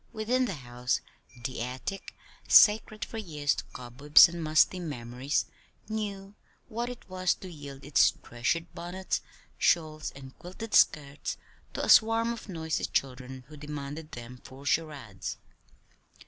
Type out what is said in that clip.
Within the house, the attic, sacred for years to cobwebs and musty memories, knew what it was to yield its treasured bonnets, shawls, and quilted skirts to a swarm of noisy children who demanded them for charades.